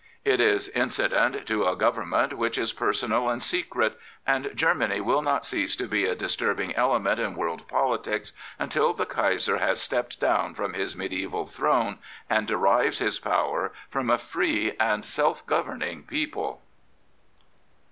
ItTs incident to a government which is personal and secret, and Germany will not cease to be a dis turbing element in world politics until the Kaiser has stepped down from his mediaeval throne and derives his power from a free and self governing people.